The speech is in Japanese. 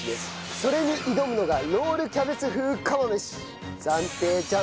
それに挑むのがロールキャベツ風釜飯。